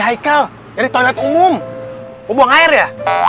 haikal dari toilet umum buang air ya